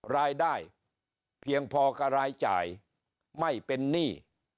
รายได้เพียงพอกับรายจ่ายไม่เป็นหนี้